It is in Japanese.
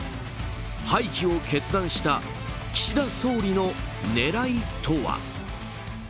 廃棄を決断した岸田総理の狙いとは？